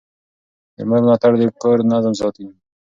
د مور ملاتړ د کور نظم ساتي.